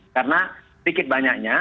karena sedikit banyaknya